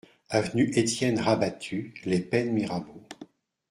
Avenue Etienne Rabattu, Les Pennes-Mirabeau